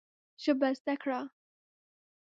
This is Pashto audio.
ژبه زده کړه ده